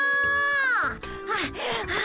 はあはあ。